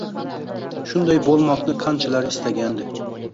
Shunday bo'lmoqni qanchalar istagandi.